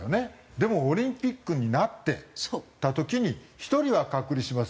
でもオリンピックになった時に１人は隔離します。